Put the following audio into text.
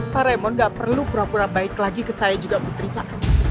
pak remon nggak perlu pura pura baik lagi ke saya juga putri pak